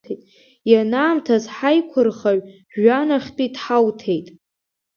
Ианаамҭаз ҳаиқәырхаҩ жәҩанахьтәи дҳауҭеит.